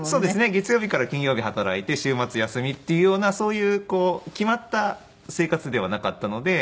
月曜日から金曜日働いて週末休みっていうようなそういう決まった生活ではなかったので。